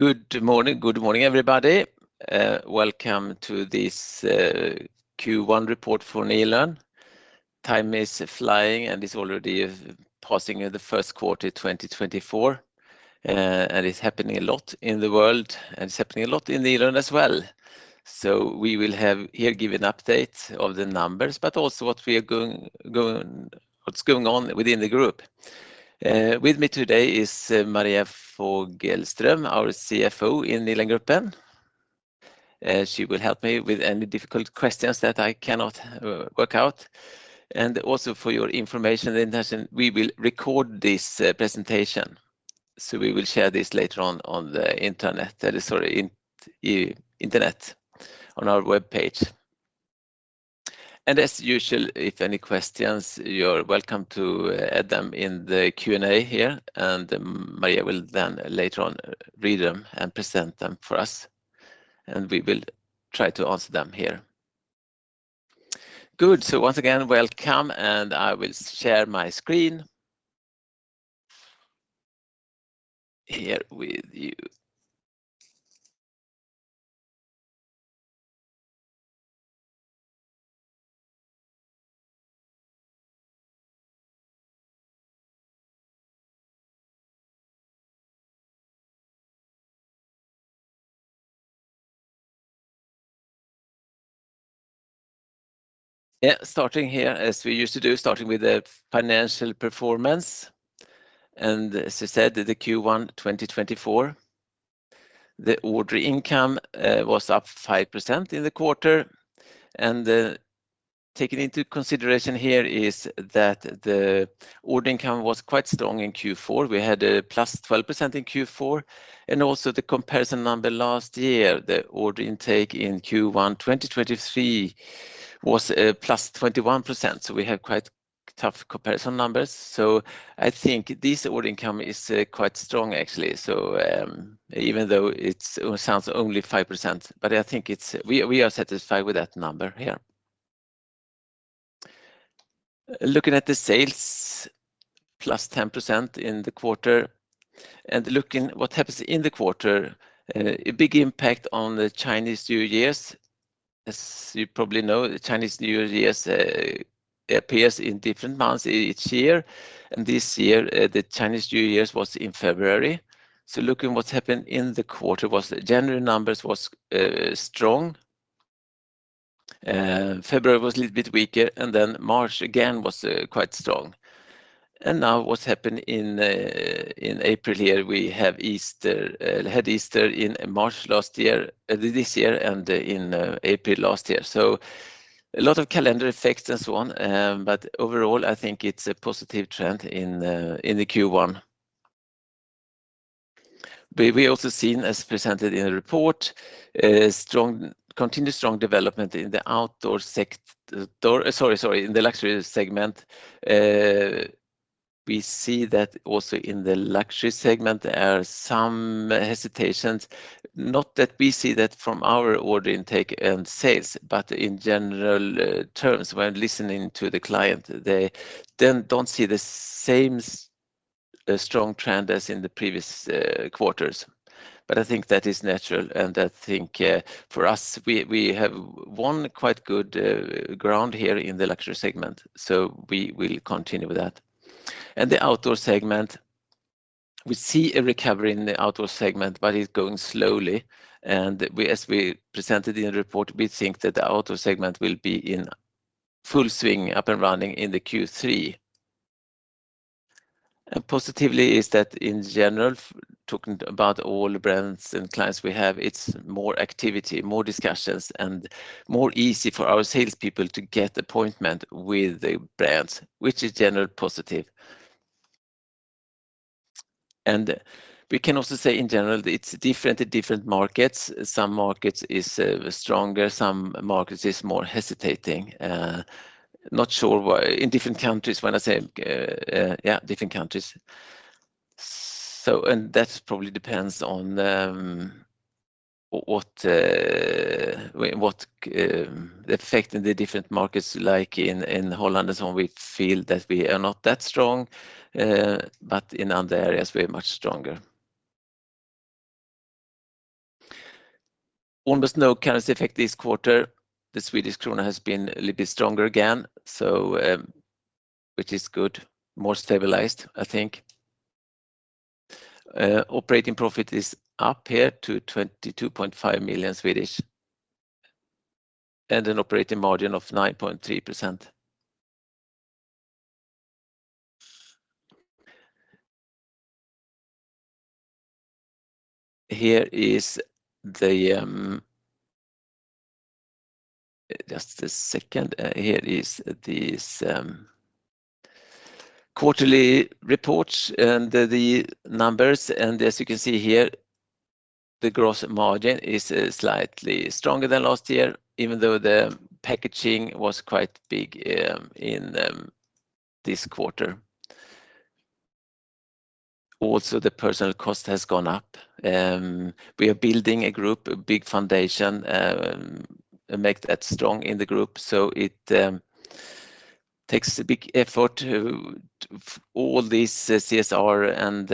Good morning, good morning everybody. Welcome to this Q1 report for Nilörngruppen. Time is flying, and it's already passing the first quarter 2024, and it's happening a lot in the world, and it's happening a lot in Nilörngruppen as well. So we will have here give an update of the numbers but also what's going on within the group. With me today is Maria Fogelström, our CFO in Nilörngruppen. She will help me with any difficult questions that I cannot work out. And also for your information, the intention: we will record this presentation, so we will share this later on the internet—sorry, in the internet—on our web page. And as usual, if any questions, you're welcome to add them in the Q&A here, and Maria will then later on read them and present them for us, and we will try to answer them here. Good, so once again welcome, and I will share my screen here with you. Yeah, starting here as we used to do, starting with the financial performance. As I said, the Q1 2024 order income was up +5% in the quarter, and taking into consideration here is that the order income was quite strong in Q4. We had a +12% in Q4, and also the comparison number last year, the order intake in Q1 2023, was a +21%, so we have quite tough comparison numbers. So I think this order income is quite strong, actually, so even though it sounds only +5%, but I think it's—we are satisfied with that number here. Looking at the sales, +10% in the quarter, and looking at what happens in the quarter, a big impact on the Chinese New Year’s. As you probably know, the Chinese New Year's appears in different months each year, and this year, the Chinese New Year's was in February. So looking at what happened in the quarter, January numbers was strong, February was a little bit weaker, and then March again was quite strong. Now what's happening in April here, we had Easter in March last year, this year, and in April last year. So a lot of calendar effects and so on, but overall I think it's a positive trend in the Q1. We also seen, as presented in the report, continued strong development in the luxury segment. We see that also in the luxury segment there are some hesitations. Not that we see that from our order intake and sales, but in general terms, when listening to the client, they then don't see the same strong trend as in the previous quarters. I think that is natural, and I think for us we have won quite good ground here in the luxury segment, so we will continue with that. The outdoor segment, we see a recovery in the outdoor segment, but it's going slowly, and we, as we presented in the report, we think that the outdoor segment will be in full swing, up and running, in the Q3. Positively is that in general, talking about all brands and clients we have, it's more activity, more discussions, and more easy for our salespeople to get appointment with the brands, which is general positive. We can also say in general it's different in different markets. Some markets is stronger, some markets is more hesitating. Not sure why in different countries when I say, yeah, different countries. So—and that probably depends on, what— the effect in the different markets like in Holland and so on. We feel that we are not that strong, but in other areas we are much stronger. Almost no currency effect this quarter. The Swedish krona has been a little bit stronger again, so, which is good, more stabilized, I think. Operating profit is up here to 22.5 million and an operating margin of 9.3%. Here is the, just a second, here is these, quarterly reports and the numbers, and as you can see here, the gross margin is slightly stronger than last year even though the packaging was quite big, in, this quarter. Also the personnel cost has gone up. We are building a group, a big foundation, make that strong in the group, so it takes a big effort, all this CSR and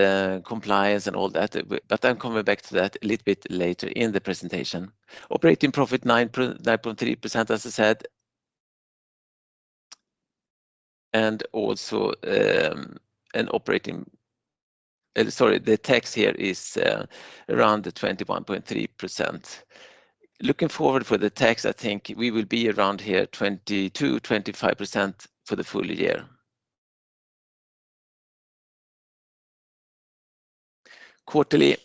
compliance and all that, but I'm coming back to that a little bit later in the presentation. Operating profit 9.3% as I said, and also, an operating—sorry, the tax here is around 21.3%. Looking forward for the tax, I think we will be around here 22%-25% for the full year. Quarterly,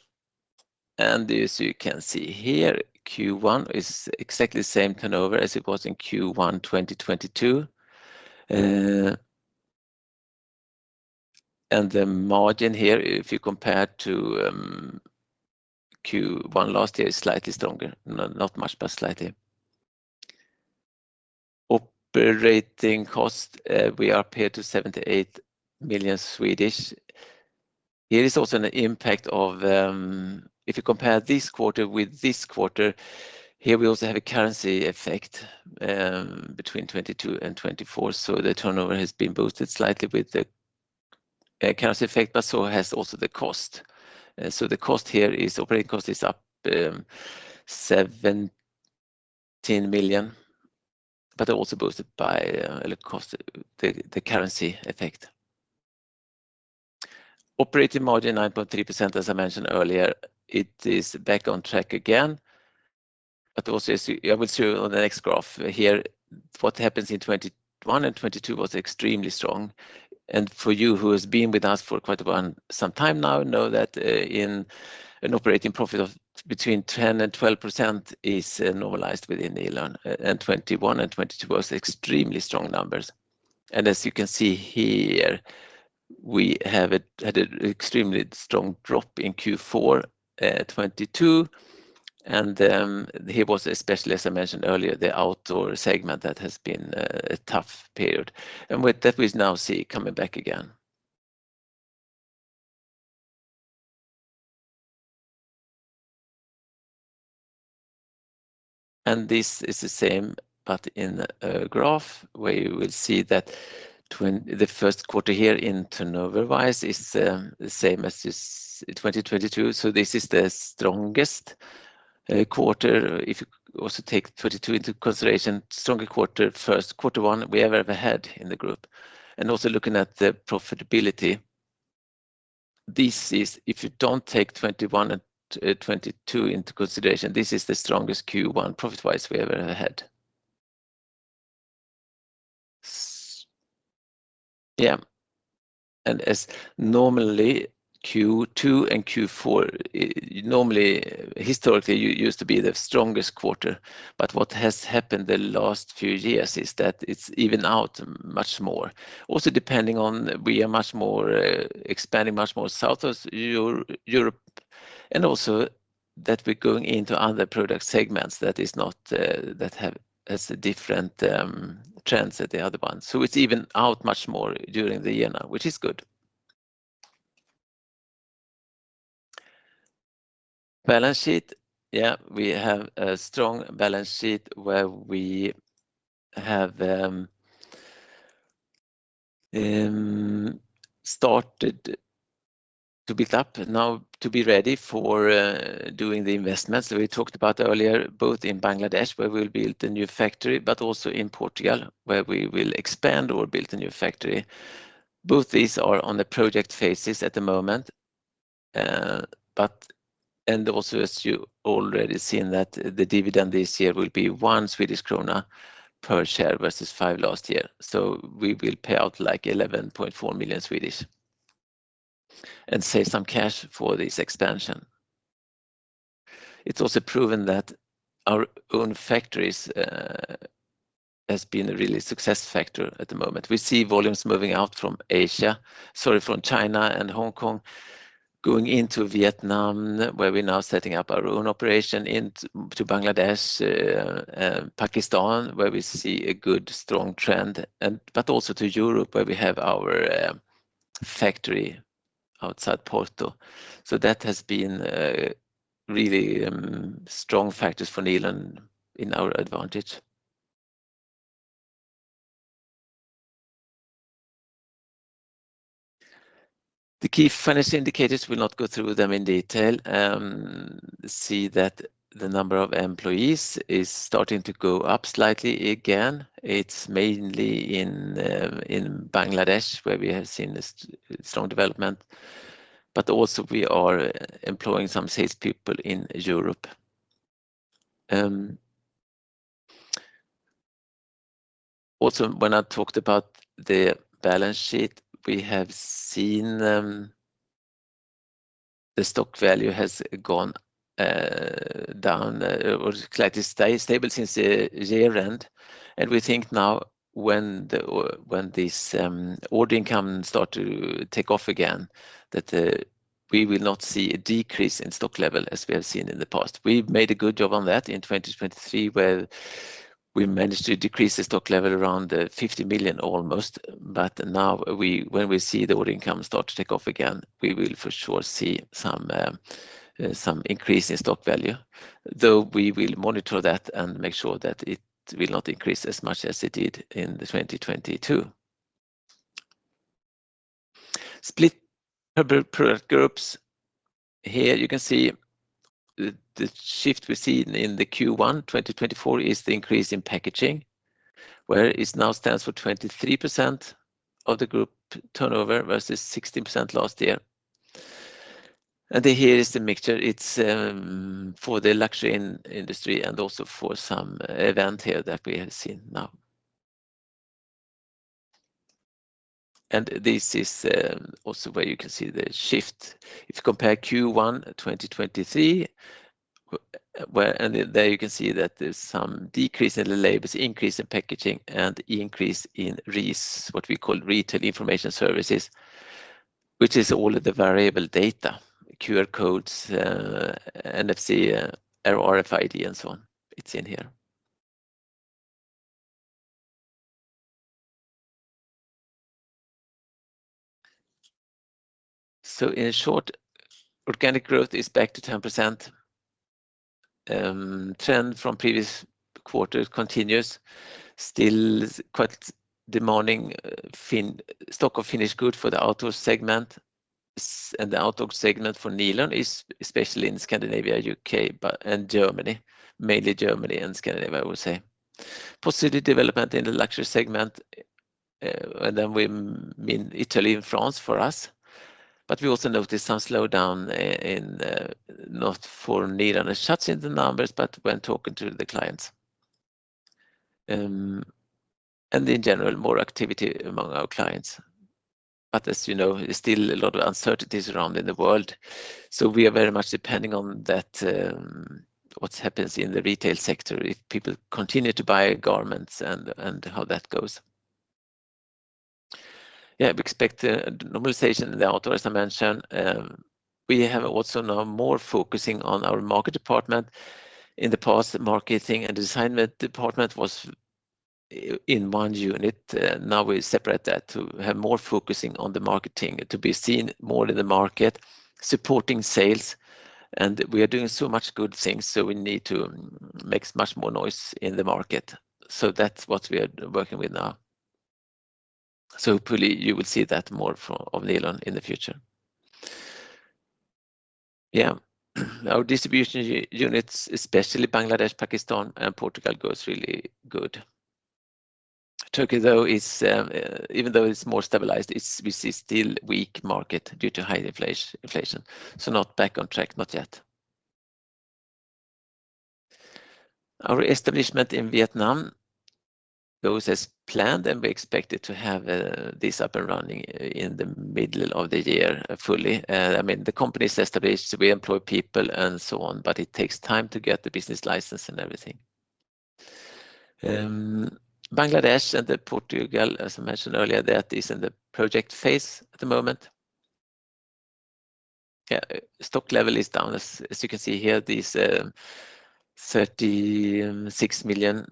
and as you can see here, Q1 is exactly the same turnover as it was in Q1 2022, and the margin here if you compare to Q1 last year is slightly stronger, not much but slightly. Operating cost, we are up here to 78 million. Here is also an impact of, if you compare this quarter with this quarter, here we also have a currency effect between 2022 and 2024, so the turnover has been boosted slightly with the currency effect, but so has also the cost. So the cost here, operating cost is up 17 million, but also boosted by the currency effect. Operating margin 9.3% as I mentioned earlier, it is back on track again, but also as you—I will show you on the next graph here—what happens in 2021 and 2022 was extremely strong, and for you who have been with us for quite some time now know that an operating profit of between 10%-12% is normalized within Nilörngruppen, and 2021 and 2022 were extremely strong numbers. As you can see here, we have had an extremely strong drop in Q4 2022, and here was especially, as I mentioned earlier, the outdoor segment that has been a tough period, and with that we now see coming back again. This is the same but in a graph where you will see that the first quarter here in turnover-wise is the same as this 2022, so this is the strongest quarter. If you also take 2022 into consideration, stronger quarter first quarter one we ever had in the group, and also looking at the profitability, this is—if you don't take 2021 and 2022 into consideration—this is the strongest Q1 profit-wise we ever had. Yeah, as normally Q2 and Q4 normally historically used to be the strongest quarter, but what has happened the last few years is that it's even out much more. Also, depending on, we are much more expanding much more south of Europe, and also that we're going into other product segments that is not— that have has a different trends than the other ones, so it's even out much more during the year, which is good. Balance sheet, yeah, we have a strong balance sheet where we have started to build up now to be ready for doing the investments that we talked about earlier, both in Bangladesh where we will build a new factory, but also in Portugal where we will expand or build a new factory. Both these are on the project phases at the moment, but—and also as you already seen that the dividend this year will be 1 Swedish krona per share versus 5 last year, so we will pay out like 11.4 million and save some cash for this expansion. It's also proven that our own factories have been a really success factor at the moment. We see volumes moving out from Asia, sorry, from China and Hong Kong, going into Vietnam where we're now setting up our own operation, into Bangladesh, Pakistan where we see a good strong trend, and but also to Europe where we have our factory outside Porto. So that has been really strong factors for Nilörngruppen in our advantage. The key financial indicators, we'll not go through them in detail, see that the number of employees is starting to go up slightly again. It's mainly in Bangladesh where we have seen a strong development, but also we are employing some salespeople in Europe. Also, when I talked about the balance sheet, we have seen the stock value has gone down or slightly stayed stable since the year-end, and we think now when this order income starts to take off again that we will not see a decrease in stock level as we have seen in the past. We made a good job on that in 2023 where we managed to decrease the stock level around 50 million almost, but now when we see the order income start to take off again we will for sure see some increase in stock value, though we will monitor that and make sure that it will not increase as much as it did in 2022. Split per product groups, here you can see the shift we've seen in the Q1 2024 is the increase in packaging where it now stands for 23% of the group turnover versus 16% last year, and here is the mixture. It's, for the luxury industry and also for some event here that we have seen now. And this is, also where you can see the shift if you compare Q1 2023 where, and there you can see that there's some decrease in the labels, increase in packaging, and increase in RIS, what we call Retail Information Services, which is all of the variable data: QR codes, NFC, RFID, and so on. It's in here. So in short, organic growth is back to 10%. trend from previous quarters continues, still quite demanding stock of finished goods for the outdoor segment, and the outdoor segment for Nilörngruppen is especially in Scandinavia, UK, and Germany, mainly Germany and Scandinavia, I would say. Positive development in the luxury segment, and then we mean Italy and France for us, but we also notice some slowdown in not for Nilörngruppen, not in the numbers, but when talking to the clients. In general, more activity among our clients, but as you know, there's still a lot of uncertainties around in the world, so we are very much depending on that, what happens in the retail sector if people continue to buy garments and how that goes. Yeah, we expect normalization in the outdoor, as I mentioned. We have also now more focusing on our market department. In the past, marketing and the design department was in one unit. Now we separate that to have more focusing on the marketing, to be seen more in the market, supporting sales, and we are doing so much good things, so we need to make much more noise in the market. So that's what we are working with now, so hopefully you will see that more from of Nilörngruppen in the future. Yeah, our distribution units, especially Bangladesh, Pakistan, and Portugal, go really good. Turkey, though, is, even though it's more stabilized, we see still a weak market due to high inflation, so not back on track, not yet. Our establishment in Vietnam goes as planned, and we expect it to have this up and running in the middle of the year fully. I mean, the company is established, we employ people, and so on, but it takes time to get the business license and everything. Bangladesh and Portugal, as I mentioned earlier, that is in the project phase at the moment. Yeah, stock level is down, as you can see here, these 36 million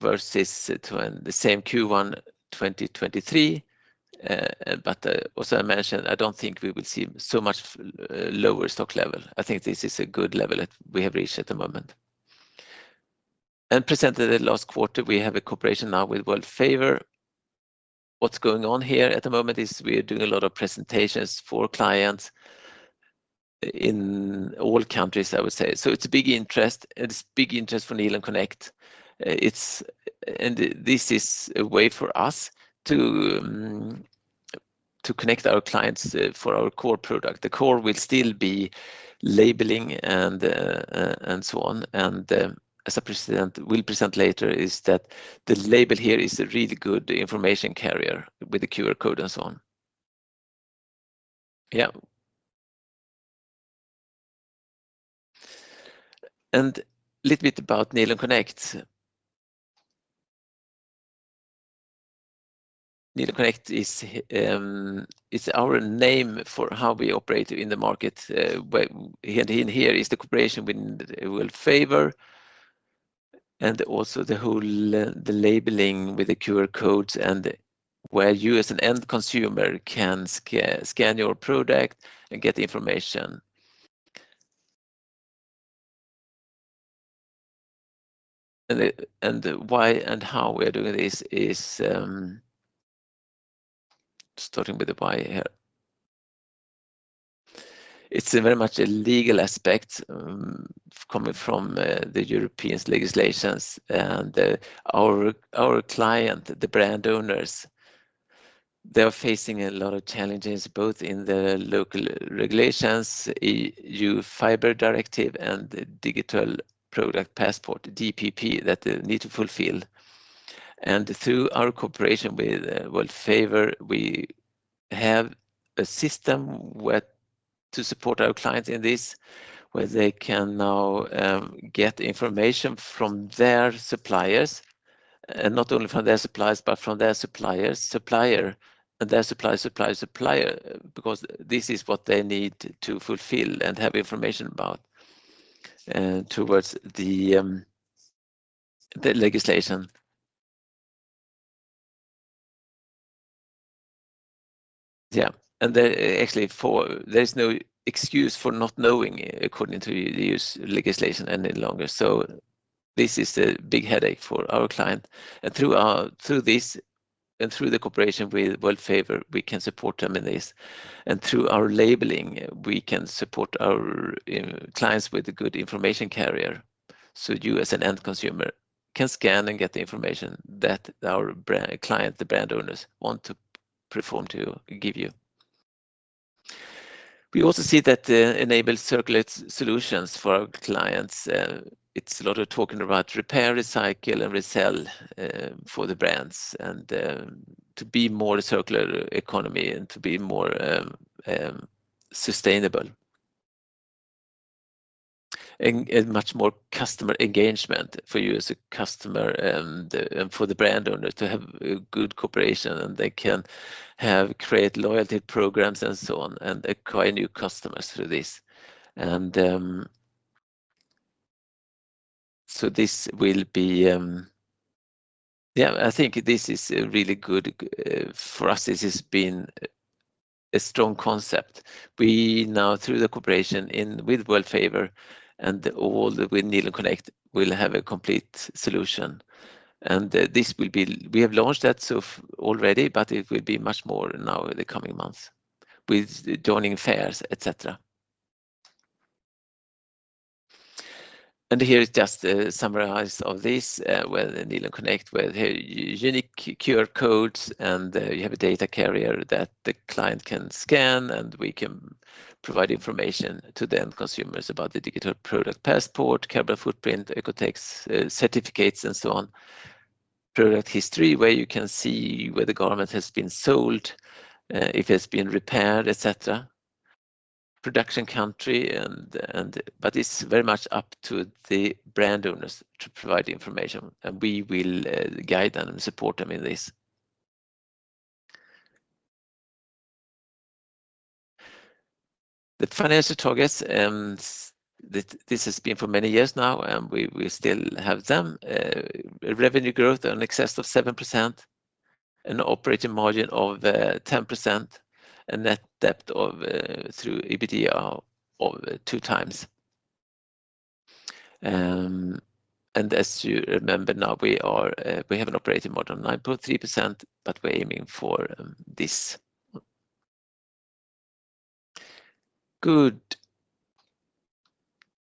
versus the same Q1 2023, but also I mentioned I don't think we will see so much lower stock level. I think this is a good level that we have reached at the moment. Presented at last quarter, we have a cooperation now with Worldfavor. What's going on here at the moment is we're doing a lot of presentations for clients in all countries, I would say, so it's a big interest, and it's big interest for Nilörngruppen Connect. It's, and this is a way for us to connect our clients for our core product. The core will still be labeling and so on, and as I present later is that the label here is a really good information carrier with a QR code and so on. Yeah. And a little bit about Nilörngruppen Connect. Nilörngruppen Connect is our name for how we operate in the market, where here is the cooperation with Worldfavor and also the whole labeling with the QR codes and where you as an end consumer can scan your product and get the information. And the why and how we are doing this is, starting with the why here. It's very much a legal aspect, coming from the European legislations, and our client, the brand owners, they are facing a lot of challenges both in the local regulations, EU Fiber Directive, and the Digital Product Passport, the DPP, that they need to fulfill. And through our cooperation with Worldfavor, we have a system to support our clients in this where they can now get information from their suppliers, and not only from their suppliers but from their suppliers' supplier, and their supplier, supplier, supplier, because this is what they need to fulfill and have information about towards the legislation. Yeah, and therefore, there is no excuse for not knowing according to the EU legislation any longer, so this is a big headache for our client. Through our through this and through the cooperation with Worldfavor, we can support them in this, and through our labeling, we can support our clients with a good information carrier so you as an end consumer can scan and get the information that our brand clients, the brand owners, want to perform to give you. We also see that enabled circulate solutions for our clients. It's a lot of talking about repair, recycle, and resell, for the brands and, to be more a circular economy and to be more, sustainable. Much more customer engagement for you as a customer and for the brand owner to have a good cooperation, and they can have create loyalty programs and so on and acquire new customers through this. So this will be, yeah, I think this is really good, for us. This has been a strong concept. We now, through the cooperation with Worldfavor and all with Nilörngruppen Connect, will have a complete solution, and this will be—we have launched that so already—but it will be much more now in the coming months with joining fairs, etc. Here is just a summary of this with Nilörngruppen Connect with unique QR codes, and you have a data carrier that the client can scan, and we can provide information to the end consumers about the Digital Product Passport, carbon footprint, OEKO-TEX certificates, and so on. Product history where you can see where the garment has been sold, if it has been repaired, etc. Production country, but it's very much up to the brand owners to provide information, and we will guide them and support them in this. The financial targets, this has been for many years now, and we will still have them. revenue growth in excess of 7%, an operating margin of 10%, and net debt to EBITDA of 2x. As you remember now, we have an operating margin of 9.3%, but we're aiming for this. Good.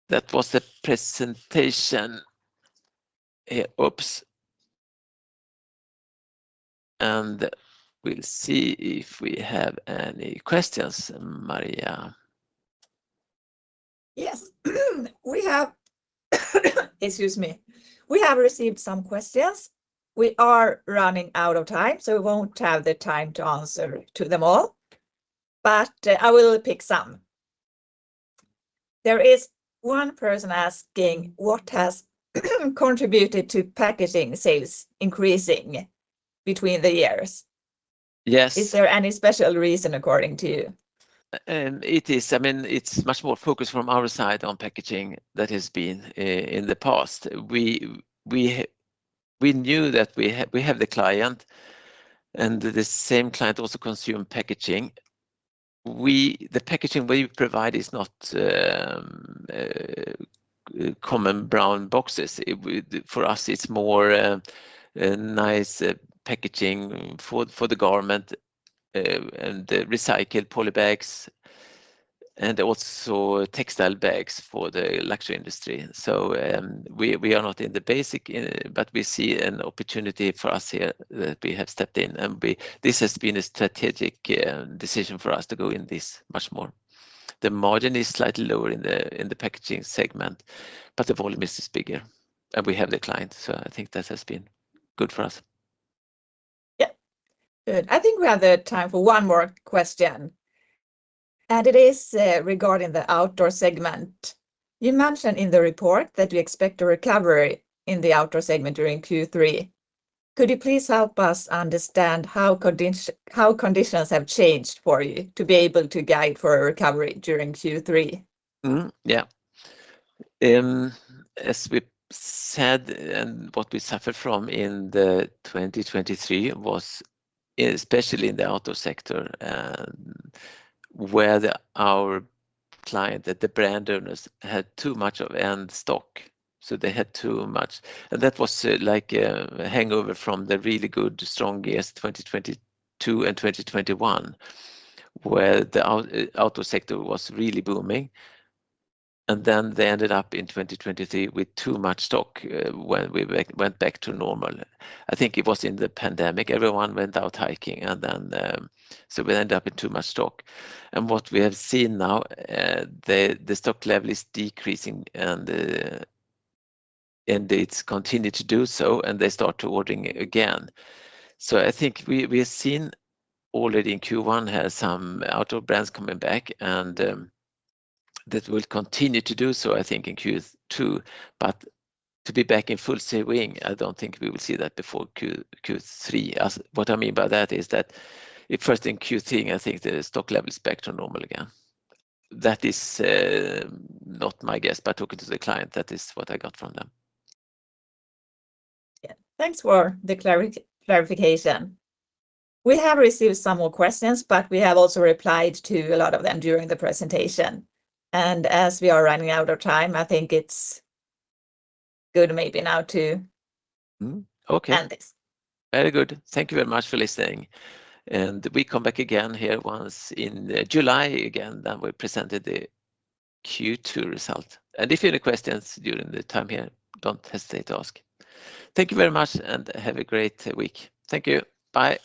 That was the presentation. Oops. We'll see if we have any questions, Maria. Yes, we have—excuse me—we have received some questions. We are running out of time, so we won't have the time to answer to them all, but I will pick some. There is one person asking what has contributed to packaging sales increasing between the years. Yes. Is there any special reason according to you? It is—I mean, it's much more focus from our side on packaging that has been in the past. We knew that we have the client, and the same client also consumed packaging. The packaging we provide is not common brown boxes. For us, it's more niche packaging for the garment and recycled poly bags and also textile bags for the luxury industry. So we are not in the basic, but we see an opportunity for us here that we have stepped in, and this has been a strategic decision for us to go in this much more. The margin is slightly lower in the packaging segment, but the volume is bigger, and we have the client, so I think that has been good for us. Yeah, good. I think we have the time for one more question, and it is regarding the outdoor segment. You mentioned in the report that you expect a recovery in the outdoor segment during Q3. Could you please help us understand how conditions have changed for you to be able to guide for a recovery during Q3? Mm-hmm. Yeah. As we said, what we suffered from in 2023 was especially in the outdoor sector where our client, the brand owners, had too much of end stock, so they had too much. And that was like a hangover from the really good strong years 2022 and 2021 where the outdoor sector was really booming, and then they ended up in 2023 with too much stock when we went back to normal. I think it was in the pandemic; everyone went out hiking, and then so we ended up in too much stock. And what we have seen now, the stock level is decreasing, and it's continued to do so, and they start to order again. So I think we have seen already in Q1 have some outdoor brands coming back, and that will continue to do so, I think, in Q2. But to be back in full swing, I don't think we will see that before Q3. What I mean by that is that if first in Q3, I think the stock level is back to normal again. That is, not my guess, but talking to the client, that is what I got from them. Yeah, thanks for the clarification. We have received some more questions, but we have also replied to a lot of them during the presentation. And as we are running out of time, I think it's good maybe now to end this. Okay, very good. Thank you very much for listening, and we come back again here once in July again, and we presented the Q2 result. If you have any questions during the time here, don't hesitate to ask. Thank you very much, and have a great week. Thank you, bye.